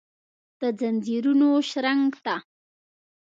دځنځیرونو شرنګ ته ،